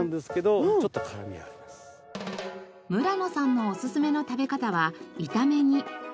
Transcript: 村野さんのおすすめの食べ方は炒め煮。